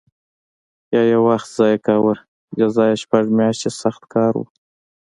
یا یې وخت ضایع کاوه جزا یې شپږ میاشتې سخت کار و